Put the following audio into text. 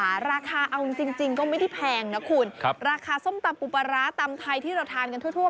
ราคาเอาจริงจริงก็ไม่ได้แพงนะคุณครับราคาส้มตำปูปลาร้าตำไทยที่เราทานกันทั่วทั่ว